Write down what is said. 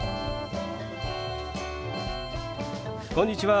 こんにちは。